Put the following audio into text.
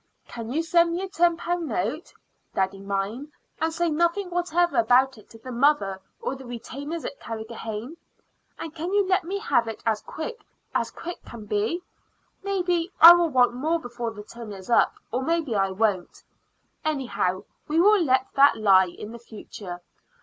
Can you send me a ten pound note, daddy mine, and say nothing whatever about it to the mother or the retainers at Carrigrohane? And can you let me have it as quick as quick can be? Maybe I will want more before the term is up, or maybe I won't. Anyhow, we will let that lie in the future.